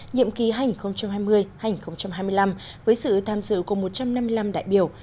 nhiệm kỳ hai nghìn hai mươi hai nghìn hai mươi năm với sự tham dự của một trăm năm mươi năm đại biểu